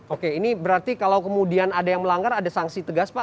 oke ini berarti kalau kemudian ada yang melanggar ada sanksi tegas pak